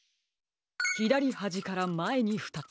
ひだりはじからまえにふたつ。